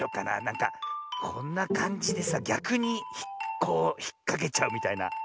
なんかこんなかんじでさぎゃくにこうひっかけちゃうみたいな。